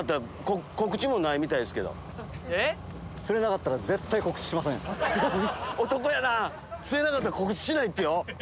えっ⁉釣れなかったら告知しないってよ！